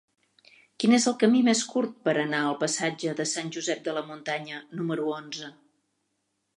Quin és el camí més curt per anar al passatge de Sant Josep de la Muntanya número onze?